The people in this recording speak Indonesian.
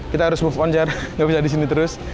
kita harus move on jar gak bisa disini terus